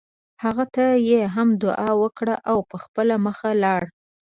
هغه ته یې هم دعا وکړه او په خپله مخه لاړ.